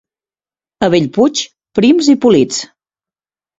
A Bellpuig, prims i polits.